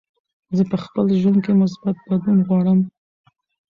زه په خپل ژوند کې مثبت بدلون غواړم.